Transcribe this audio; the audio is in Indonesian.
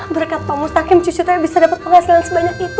berkat pak mustakim cucu saya bisa dapat penghasilan sebanyak itu